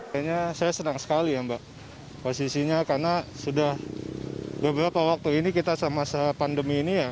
kayaknya saya senang sekali ya mbak posisinya karena sudah beberapa waktu ini kita semasa pandemi ini ya